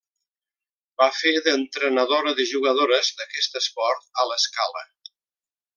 Va fer d'entrenadora de jugadores d'aquest esport a l'Escala.